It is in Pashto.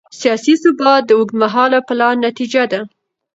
سیاسي ثبات د اوږدمهاله پلان نتیجه ده